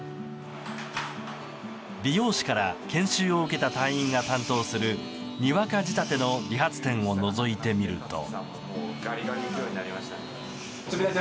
美容師から研修を受けた隊員が担当するにわか仕立ての理髪店をのぞいてみると。